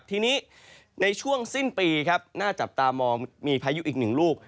ทีนี้ในช่วงสิ้นปีครับน่าจับตามองมีพายุอีกหนึ่งลูก